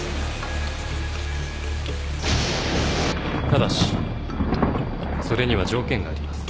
ただしそれには条件があります。